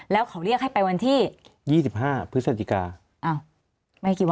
แล้วเขาเรียกให้ไปวันที่๒๕พฤศจิกา